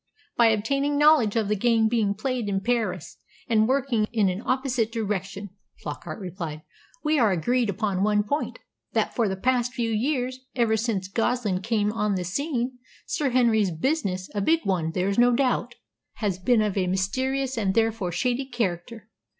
"By obtaining knowledge of the game being played in Paris, and working in an opposite direction," Flockart replied. "We are agreed upon one point: that for the past few years, ever since Goslin came on the scene, Sir Henry's business a big one, there is no doubt has been of a mysterious and therefore shady character.